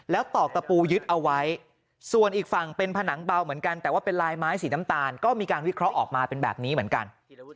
แล้วตอกตะปูยึดเอาไว้ส่วนอีกฝั่งเป็นผนังเบาเหมือนกันแต่ว่าเป็นลายไม้สีน้ำตาลก็มีการวิเคราะห์ออกมาเป็นแบบนี้เหมือนกัน